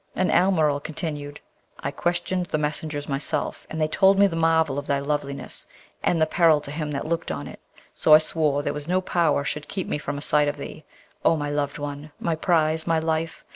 And Almeryl continued, 'I questioned the messengers myself, and they told me the marvel of thy loveliness and the peril to him that looked on it, so I swore there was no power should keep me from a sight of thee, O my loved one! my prize! my life!